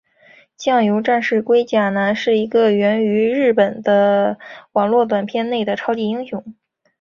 酱油战士龟甲男是一个源于日本的网络短片内的超级英雄。